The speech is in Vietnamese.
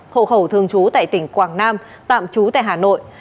hộ khẩu thường trú tại tỉnh quảng nam tạm trú tại hà nội